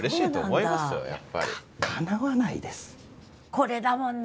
これだもんね。